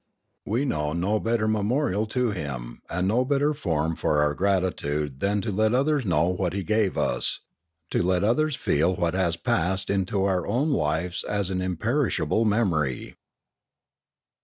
We know no better memorial to him, and no better form for our gratitude than to let Epilogue 711 others know what he gave us, to let others feel what has passed into our own lives as an imperishable memory.